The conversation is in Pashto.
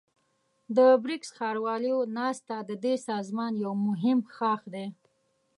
د بريکس ښارواليو ناسته ددې سازمان يو مهم ښاخ دی.